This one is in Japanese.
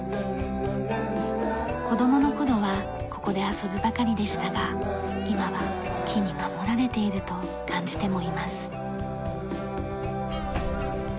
子供の頃はここで遊ぶばかりでしたが今は木に守られていると感じてもいます。